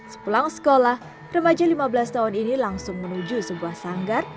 sepulang sekolah remaja lima belas tahun ini langsung menuju sebuah sanggar